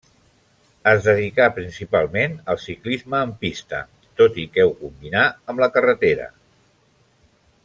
Es dedicà principalment al ciclisme en pista, tot i que ho combinà amb la carretera.